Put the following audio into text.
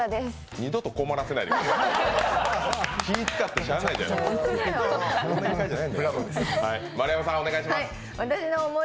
二度と困らせないでください。